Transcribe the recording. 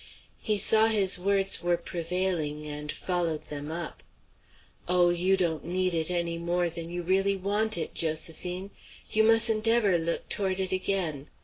He saw his words were prevailing and followed them up. "Oh! you don't need it any more than you really want it, Josephine. You mustn't ever look toward it again.